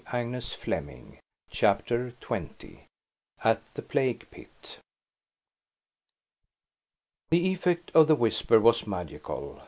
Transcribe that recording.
It is the king!" CHAPTER XX. AT THE PLAGUE PIT. The effect of the whisper was magical.